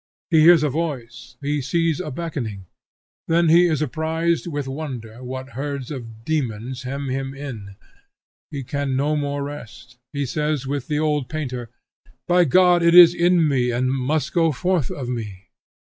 He hears a voice, he sees a beckoning. Then he is apprised, with wonder, what herds of daemons hem him in. He can no more rest; he says, with the old painter, "By God, it is in me and must go forth of me."